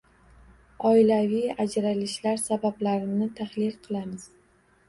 Oilaviy ajralishlar sabablarini tahlil qilamiz.